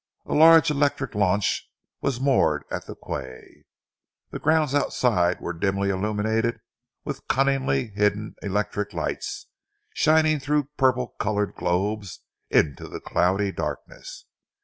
A large electric launch was moored at the quay. The grounds outside were dimly illuminated with cunningly hidden electric lights shining through purple coloured globes into the cloudy darkness.